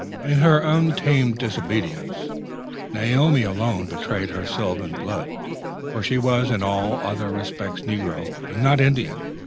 In her untamable disobedience, Naomi alone betrayed her sylvan blood, for she was in all other respects negro and not Indian.